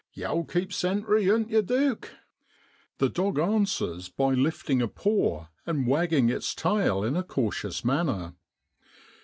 Yow'll keep sentry, oan't yer, Duke ? (The dog answers by lifting a paw and wagging its tail in a cautious manner.)